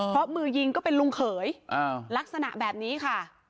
เพราะมือยิงก็เป็นลุงเขยลักษณะแบบนี้ค่ะ